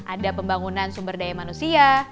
ada pembangunan sumber daya manusia